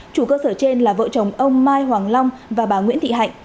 chủ cơ sở trên là vợ chồng ông mai hoàng long và bà nguyễn thị hạnh